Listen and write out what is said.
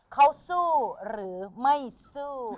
เขาสู้หรือไม่สู้